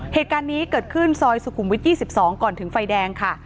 เหตุการณ์นี้เกิดขึ้นซอยสุขุมวิท๒๒ก่อนถึงไฟแดงค่ะ